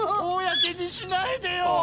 おおやけにしないでよ！